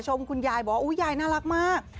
คุณยายบอกว่าอุ๊ยยายน่ารักมาก